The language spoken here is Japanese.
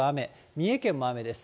三重県も雨です。